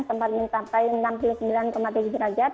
sempat mencapai enam puluh sembilan tujuh derajat